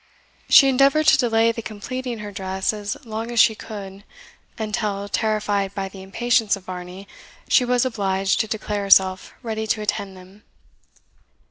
She endeavoured to delay the completing her dress as long as she could, until, terrified by the impatience of Varney, she was obliged to declare herself ready to attend them.